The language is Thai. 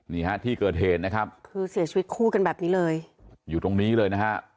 นี่ฮะที่เกิดเหตุนะครับคือเสียชีวิตคู่กันแบบนี้เลยอยู่ตรงนี้เลยนะฮะ